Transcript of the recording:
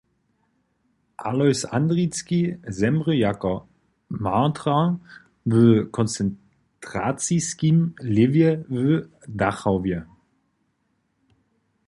Alojs Andricki zemrě jako martrar w koncentraciskim lěwje w Dachauwje.